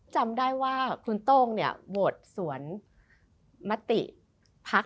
จำได้ว่าคุณโต้งเนี่ยโหวตสวนมติพัก